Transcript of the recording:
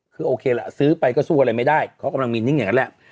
คือโอเคล่ะซื้อไปก็สู้อะไรไม่ได้เขากำลังมีนิ่งอย่างนั้นแหละ